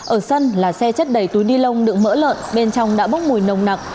ở sân là xe chất đầy túi đi lông đựng mỡ lợn bên trong đã bốc mùi nồng nặc